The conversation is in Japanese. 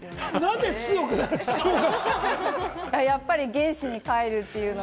なぜ強くなる必要が？